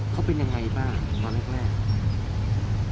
เขาเป็นยังไงบ้างตอนแรก